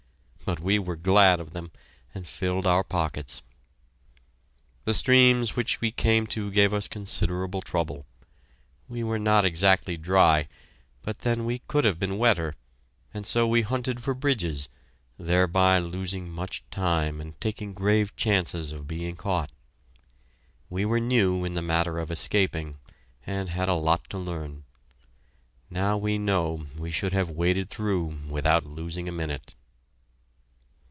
But we were glad of them, and filled our pockets. The streams which we came to gave us considerable trouble. We were not exactly dry, but then we could have been wetter, and so we hunted for bridges, thereby losing much time and taking grave chances of being caught. We were new in the matter of escaping, and had a lot to learn. Now we know we should have waded through without losing a minute.